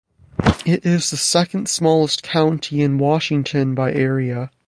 It is the second-smallest county in Washington by area.